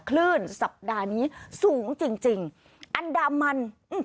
คลื่นสัปดาห์นี้สูงจริงอันดามัน